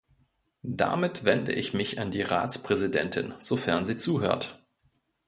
Damit wende ich mich an die Ratspräsidentin, sofern sie zuhört.